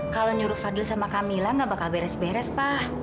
kalau nyuruh fadhil dan kamila tidak akan beres beres pak